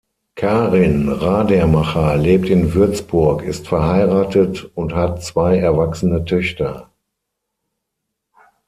Karin Radermacher lebt in Würzburg, ist verheiratet und hat zwei erwachsene Töchter.